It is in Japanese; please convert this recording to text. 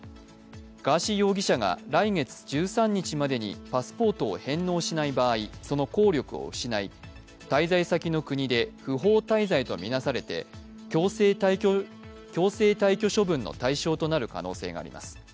ガーシー容疑者が来月１３日までにパスポートを返納しない場合、その効力を失い滞在先の国で不法滞在とみなされて強制退去処分の対象となる可能性があります。